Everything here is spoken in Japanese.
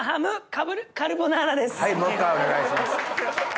はいもう一回お願いします。